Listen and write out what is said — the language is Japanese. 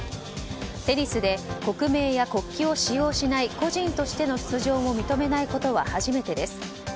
テニスで国名や国旗を使用しない個人としての出場も認めないことは初めてです。